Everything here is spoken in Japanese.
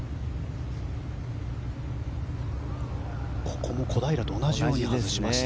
ここも小平と同じように外しました。